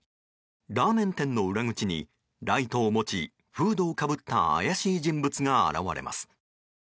ラーメン店の裏口にライトを持ちフードをかぶった怪しい人物が現れます。